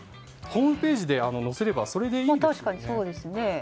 ホームページに載せればそれでいいですよね。